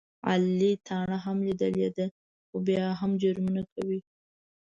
علي تاڼه هم لیدلې ده، خو بیا هم جرمونه کوي.